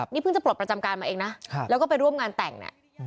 นี่เพิ่งจะปลดประจำการมาเองนะแล้วก็ไปร่วมงานแต่งเนี่ย